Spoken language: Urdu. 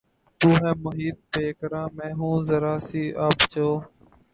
تو ہے محیط بیکراں میں ہوں ذرا سی آب جو